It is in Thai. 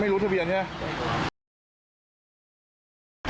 รู้ทะเบียนใช่ไหม